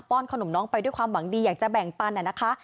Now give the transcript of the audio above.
้อนขนมน้องไปด้วยความหวังดีอยากจะแบ่งปันนะคะ